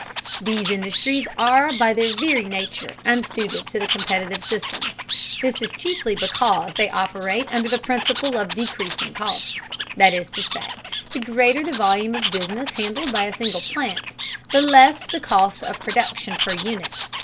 These industries are by their very nature unsuited to the competitive system. This is chiefly because they operate under the principle of decreasing cost, that is to say, the greater the volume of business handled by a single plant, the less the cost of production per unit.